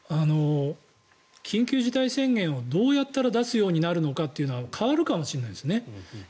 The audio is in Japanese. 緊急事態宣言をどうやったら出すようになるのかというのは変わるかもしれないですね。